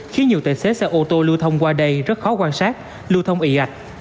khiến nhiều tài xế xe ô tô lưu thông qua đây rất khó quan sát lưu thông ị ạch